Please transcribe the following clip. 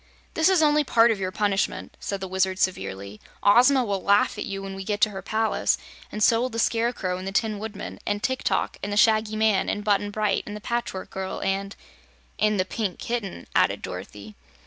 "This is only part of your punishment," said the Wizard, severely. "Ozma will laugh at you, when we get to her palace, and so will the Scarecrow, and the Tin Woodman, and Tik Tok, and the Shaggy Man, and Button Bright, and the Patchwork Girl, and " "And the Pink Kitten," added Dorothy.